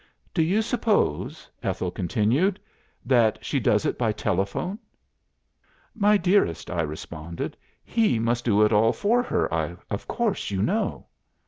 "'Do you suppose,' Ethel continued, 'that she does it by telephone?'" "'My dearest,' I responded, 'he must do it all for her, of course, you know.